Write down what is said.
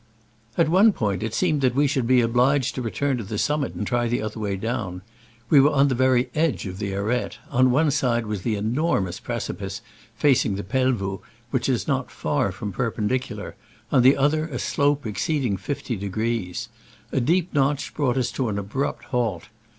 At one point it seemed that we should be obliged to return to the summit and try the other way down. We were on the very edge of the arete : on one side was the enormous precipice facing the Pelvoux, which is not far from perpen dicular—on the other a slope exceeding 50°. A deep notch brought us to an abrupt halt.